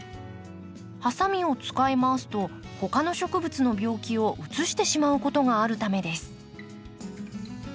ハサミを使い回すと他の植物の病気をうつしてしまうことがあるためです。